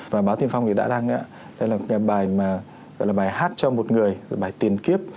và báo tiên phong thì đã đăng đấy ạ đây là bài mà gọi là bài hát cho một người bài tiền kiếp